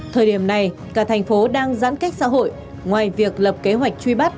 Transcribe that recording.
thời điểm này cả thành phố đang giãn cách xã hội ngoài việc lập kế hoạch truy bắt